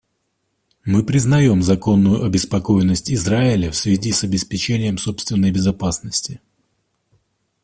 Мы признаем законную обеспокоенность Израиля в связи с обеспечением собственной безопасности.